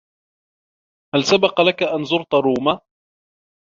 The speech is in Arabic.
هل سبق لك ان زرت روما ؟